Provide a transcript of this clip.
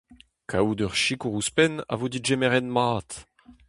Kaout ur sikour ouzhpenn a vo degemeret mat.